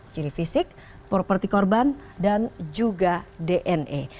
ciri fisik properti korban dan juga dna